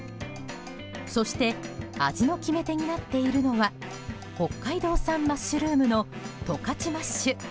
そして味の決め手になっているのは北海道産マッシュルームのとかちマッシュ。